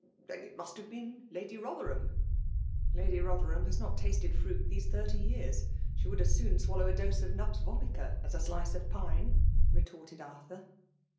• ''Then it must have been Lady Bo&er ham." *' Lady Bothorham has not tasted fruit these thirty years. She would as soon swallow a dose of nux vomica as a slice of 'pine/' retorted Arthur.